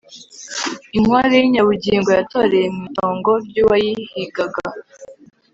inkware yinyabugingo yatoreye mwitongo ryuwayihigaga